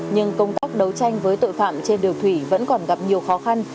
nhưng công tác đấu tranh với tội phạm trên đường thủy vẫn còn gặp nhiều khó khăn